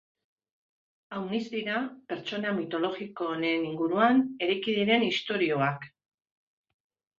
Aunitz dira pertsonaia mitologiko honen inguruan eraiki diren istorioak.